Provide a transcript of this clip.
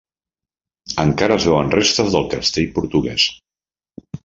Encara es veuen restes del castell portuguès.